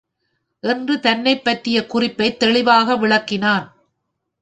என்று தன்னைப்பற்றிய குறிப்பைத் தெளிவாக விளக்கினான்.